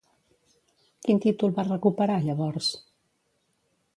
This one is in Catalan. Quin títol va recuperar, llavors?